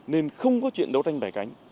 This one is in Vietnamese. nên không có chuyện đấu tranh bè cánh